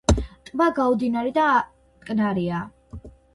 ტბა გაუდინარი და მტკნარია.